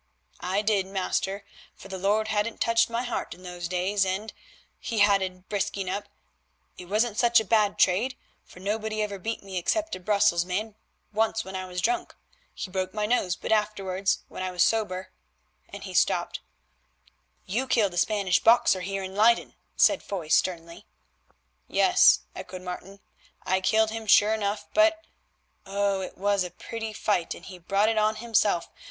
"I did, master, for the Lord hadn't touched my heart in those days, and," he added, brisking up, "it wasn't such a bad trade, for nobody ever beat me except a Brussels man once when I was drunk. He broke my nose, but afterwards, when I was sober—" and he stopped. "You killed the Spanish boxer here in Leyden," said Foy sternly. "Yes," echoed Martin, "I killed him sure enough, but—oh! it was a pretty fight, and he brought it on himself.